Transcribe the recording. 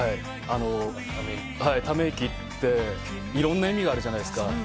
ため息って、いろんな意味があるじゃないですか。